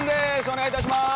お願いいたします！